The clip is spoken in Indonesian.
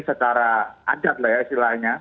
secara adat lah ya istilahnya